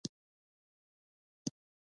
موټر کې باید نشه ونه شي.